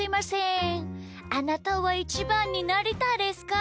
あなたはイチバンになりたいですか？